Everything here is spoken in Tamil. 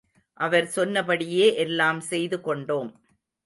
அவர் சொன்னபடியே எல்லாம் செய்து கொண்டோம்.